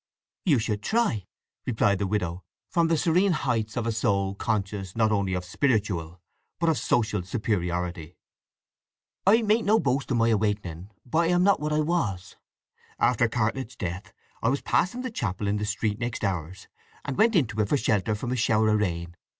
"You should try," replied the widow, from the serene heights of a soul conscious not only of spiritual but of social superiority. "I make no boast of my awakening, but I'm not what I was. After Cartlett's death I was passing the chapel in the street next ours, and went into it for shelter from a shower of rain.